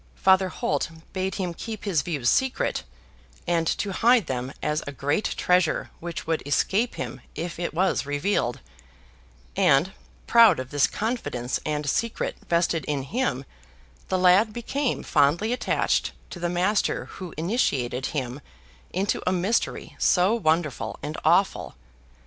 Father Holt bade him keep his views secret, and to hide them as a great treasure which would escape him if it was revealed; and, proud of this confidence and secret vested in him, the lad became fondly attached to the master who initiated him into a mystery so wonderful and awful.